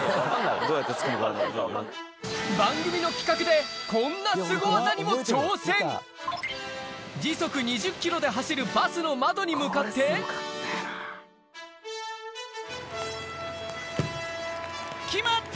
番組の企画でこんなスゴ技にも挑戦時速２０キロで走るバスの窓に向かって決まった！